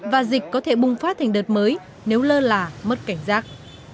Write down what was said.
và dịch có thể bùng phát thành đợt mới nếu lơ là mất cảnh giác